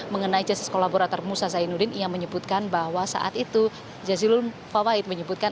mengenai jasis kolaborator musa sayyidudin yang menyebutkan bahwa saat itu jazil ulfawait menyebutkan